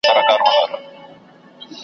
خو چي لوی سي تل د ده په ځان بلاوي .